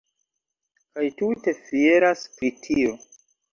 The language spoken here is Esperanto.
Kaj tute fieras pri tio!